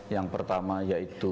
yang pertama yaitu